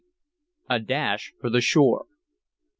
A DASH FOR THE SHORE.